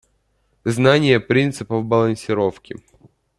Знание принципов балансировки